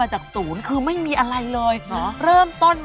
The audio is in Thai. ไอล์โหลดแล้วคุณผู้ชมค่ะมีแต่ทำให้เรามีรอยยิ้ม